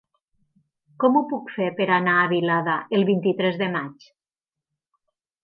Com ho puc fer per anar a Vilada el vint-i-tres de maig?